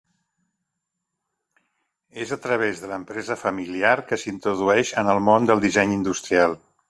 És a través de l'empresa familiar que s'introdueix en el món del disseny industrial.